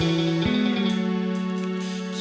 คำสั่งของแล้ว